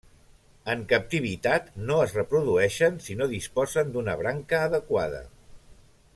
En captivitat no es reprodueixen si no disposen d'una branca adequada.